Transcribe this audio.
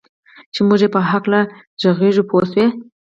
چې موږ یې په هکله ږغېږو پوه شوې!.